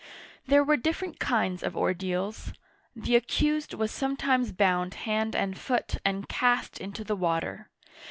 There were different kinds of ordeals. The accused was sometimes bound hand and foot and cast into the water.